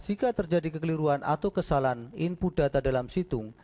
jika terjadi kekeliruan atau kesalahan input data dalam situng